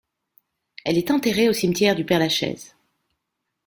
Elle est enterrée au cimetière du Père-Lachaise.